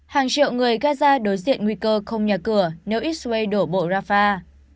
hàng triệu người gaza đối diện nguy cơ không nhà cửa nếu israel đổ bộ rafah